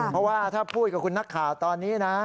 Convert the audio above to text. เพราะว่าถ้าพูดกับคุณนักข่าวตอนนี้นะ